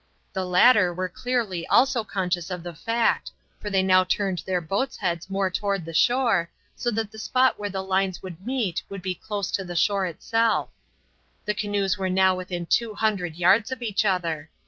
The latter were clearly also conscious of the fact, for they now turned their boats' heads more toward the shore, so that the spot where the lines would meet would be close to the shore itself. The canoes were now within two hundred yards of each other.